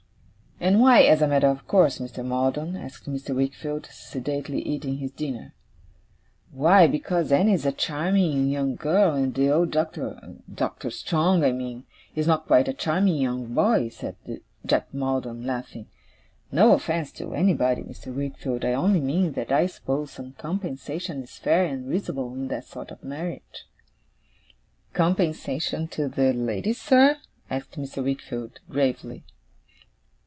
'And why as a matter of course, Mr. Maldon?' asked Mr. Wickfield, sedately eating his dinner. 'Why, because Annie's a charming young girl, and the old Doctor Doctor Strong, I mean is not quite a charming young boy,' said Mr. Jack Maldon, laughing. 'No offence to anybody, Mr. Wickfield. I only mean that I suppose some compensation is fair and reasonable in that sort of marriage.' 'Compensation to the lady, sir?' asked Mr. Wickfield gravely.